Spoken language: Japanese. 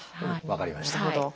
分かりました。